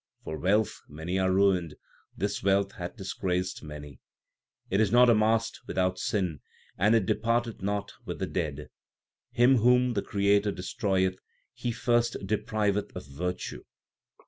For wealth many are ruined ; this wealth hath disgraced many. It is not amassed without sin, and it departeth not with the dead. Him whom the Creator destroyeth He first depriveth of virtue.